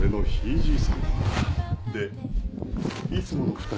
でいつもの２人は？